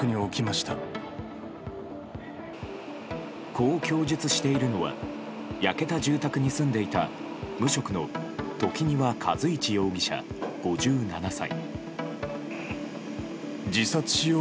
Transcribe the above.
こう供述しているのは焼けた住宅に住んでいた無職の時庭和一容疑者、５７歳。